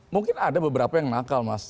mungkin ada beberapa yang nakal mas